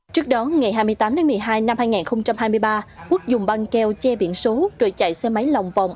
trước đó ngày hai mươi tám một mươi hai năm hai nghìn hai mươi ba quốc dùng băng keo che biển số rồi chạy xe máy lòng vòng